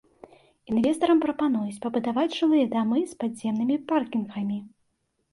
Інвестарам прапануюць пабудаваць жылыя дамы з падземнымі паркінгамі.